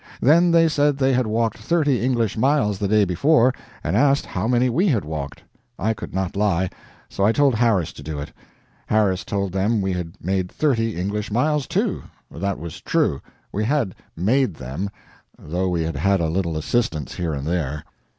Then they said they had walked thirty English miles the day before, and asked how many we had walked. I could not lie, so I told Harris to do it. Harris told them we had made thirty English miles, too. That was true; we had "made" them, though we had had a little assistance here and there.